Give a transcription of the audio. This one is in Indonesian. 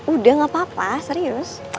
udah gak apa apa serius